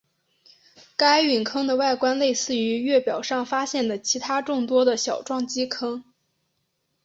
该陨坑的外观类似于月表上发现的其它众多的小撞击坑。